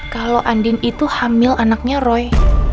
kalau andin itu hamil anaknya roy